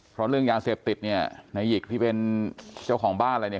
เพราะเรื่องยาเสพติดเนี่ยในหยิกที่เป็นเจ้าของบ้านอะไรเนี่ย